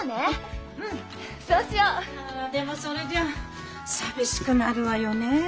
でもそれじゃ寂しくなるわよねえ。